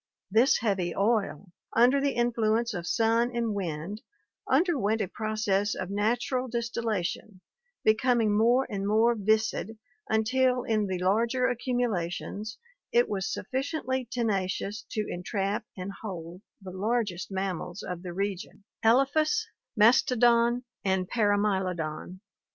This heavy oil, under the influence of sun and wind, underwent a process of natural distillation, becoming more and more viscid until in the larger accumulations it was sufficiently tenacious to entrap and hold the largest mammals of the region, Elephas, Mastodon, and Paramylodon [Mylodon]